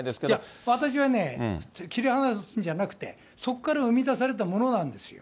いや、私はね、切り離すんじゃなくて、そこから生み出されたものなんですよ。